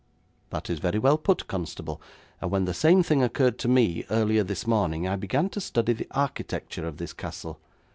'That is very well put, constable, and when the same thing occurred to me earlier this morning, I began to study the architecture of this castle.